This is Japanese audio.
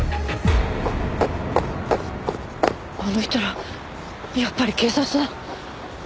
あの人らやっぱり警察だ。